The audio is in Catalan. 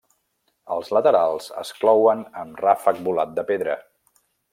Els laterals es clouen amb ràfec volat de pedra.